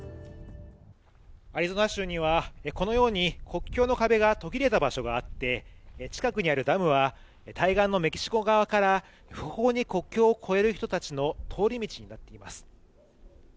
アリゾナ州にはこのように国境の壁が途切れた場所があって近くにあるダムは対岸のメキシコ側から不法に国境を越える人たちの通り道になっています。